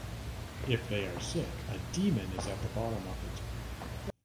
If they are sick, a demon is at the bottom of it.